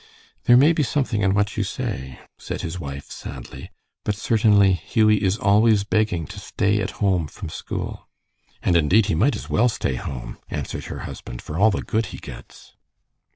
"There may be something in what you say," said his wife, sadly, "but certainly Hughie is always begging to stay at home from school." "And indeed, he might as well stay home," answered her husband, "for all the good he gets."